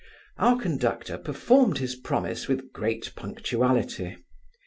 Our conductor performed his promise with great punctuality.